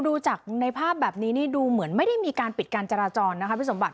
ดูจากในภาพแบบนี้นี่ดูเหมือนไม่ได้มีการปิดการจราจรนะคะพี่สมบัค